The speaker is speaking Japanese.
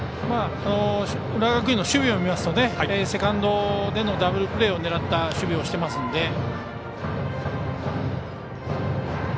浦和学院の守備を見ますとセカンドでのダブルプレーを狙った守備をしているので。